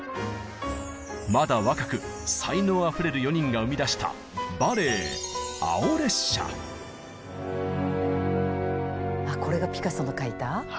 まだ若く才能あふれる４人が生み出したこれがピカソの描いた？